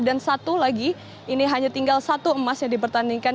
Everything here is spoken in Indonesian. dan satu lagi ini hanya tinggal satu emas yang dipertandingkan